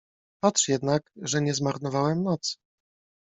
Patrz jednak, że nie zmarnowałem nocy.